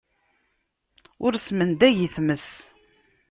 Ur smendag i times.